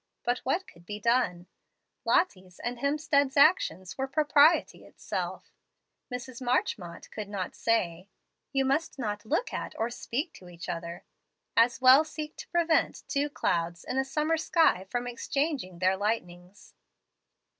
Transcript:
But what could be done? Lottie's and Hemstead's actions were propriety itself. Mrs. Marchmont could not say, "You must not look at or speak to each other." As well seek to prevent two clouds in a summer sky from exchanging their lightnings!